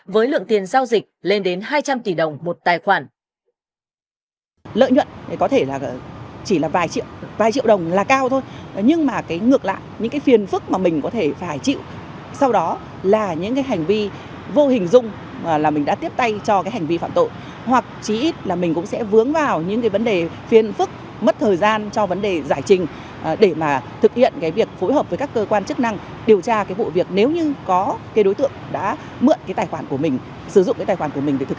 với lượng tiền giao dịch lên đến hai trăm linh tỷ đồng một tài khoản